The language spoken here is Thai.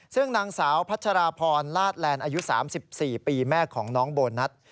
ซึ่งนางสาวพัชราพรลาดแลนด์อายุ๓๔ปีแม่ของน้องโบนัส